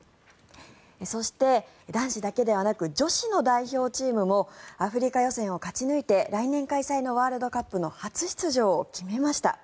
そして、男子だけではなく女子の代表チームもアフリカ予選を勝ち抜いて来年開催のワールドカップの初出場を決めました。